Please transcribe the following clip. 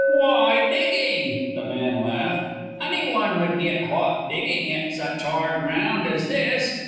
"Why, digging!" the man laughed; "any one would get hot digging at such hard ground as this.